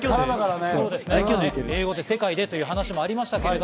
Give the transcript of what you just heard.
英語で、世界でという話もありました。